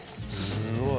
すごい。